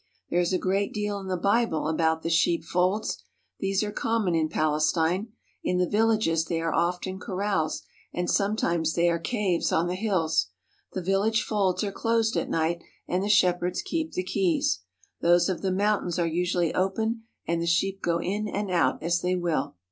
There is a great deal in the Bible about the sheepfolds. These are common in Palestine. In the villages they are often corrals and sometimes they are caves on the hills. The village folds are closed at night, and the shepherds keep the keys. Those of the mountains are usually open and the sheep go in and out as they will.